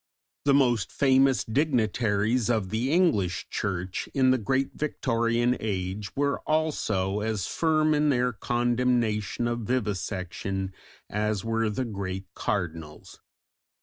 The most famous dignitaries of the English Church in the great Victorian age were also as firm in their condemnation of vivisection as were the great Cardinals.